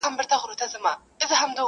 انسان انسان ته زيان رسوي تل,